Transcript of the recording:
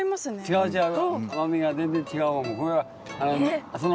違う違う。